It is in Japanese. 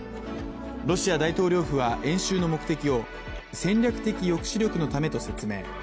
ロシア大統領府は演習の目的を戦略的抑止力のためと説明。